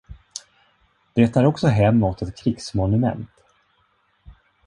Det är också hem åt ett krigsmonument.